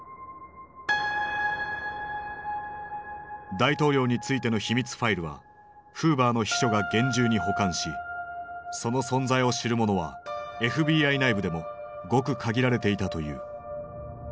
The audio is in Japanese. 大統領についての秘密ファイルはフーバーの秘書が厳重に保管しその存在を知る者はＦＢＩ内部でもごく限られていたという。